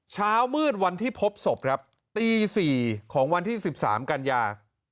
เช้ามืดวันที่พบศพครับตี๔ของวันที่๑๓กันยา